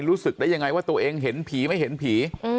รู้สึกได้ยังไงว่าตัวเองเห็นผีไม่เห็นผี